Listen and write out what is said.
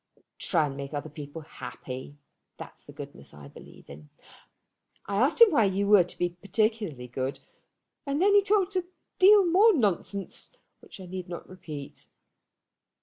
Try and make other people happy. That's the goodness I believe in. I asked him why you were to be particularly good, and then he talked a deal more nonsense, which I need not repeat.